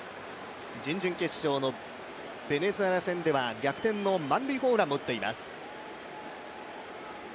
準々決勝のベネズエラ戦では逆転の満塁ホームランも打っています。